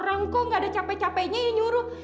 orang kok gak ada cape capenya yang nyuruh